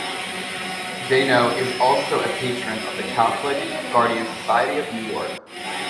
Dano is also a patron of the Catholic Guardian Society of New York.